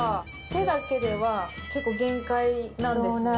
手だけでは結構限界なんですね。